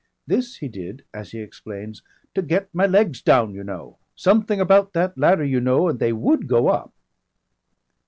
This he did, as he explains, "to get my legs down, you know. Something about that ladder, you know, and they would go up!"